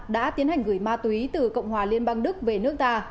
đã tiến hành gửi ma túy từ cộng hòa liên bang đức về nước ta